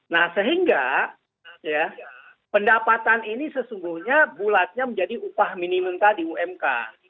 nah sehingga pendapatan ini sesungguhnya bulatnya menjadi upah minimum tadi umk